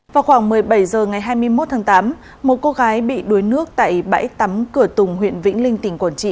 vào khoảng một mươi bảy h ngày hai mươi một tháng tám một cô gái bị đuối nước tại bãi tắm cửa tùng huyện vĩnh linh tỉnh quảng trị